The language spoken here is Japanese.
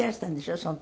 その時。